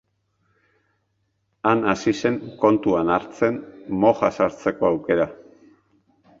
Han hasi zen kontuan hartzen moja sartzeko aukera.